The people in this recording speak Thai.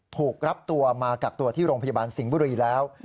ถูกรับตัวมากักตัวที่โรงพยาบาลสิงห์บุรีแล้ว